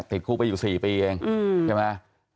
ติดคุกไปอยู่๔ปีเองใช่ไหม